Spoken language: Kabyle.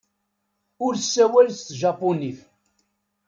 Ur ssawal s tjapunit.